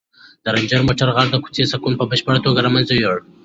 د رنجر موټر غږ د کوڅې سکون په بشپړه توګه له منځه یووړ.